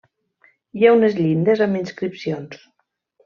Hi ha unes llindes amb inscripcions.